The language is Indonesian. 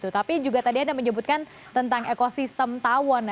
tapi juga tadi anda menyebutkan tentang ekosistem tawon